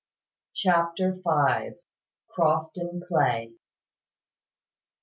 CHAPTER FIVE. CROFTON PLAY.